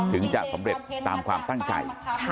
ถึงจะสำเร็จตามความตั้งใจ